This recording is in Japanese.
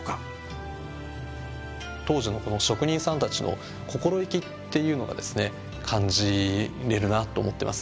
当時のこの職人さんたちの心意気っていうのがですね感じれるなと思ってます。